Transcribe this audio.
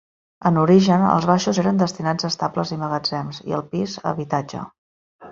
En origen, els baixos eren destinats a estables i magatzems, i el pis a habitatge.